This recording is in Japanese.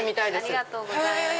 ありがとうございます。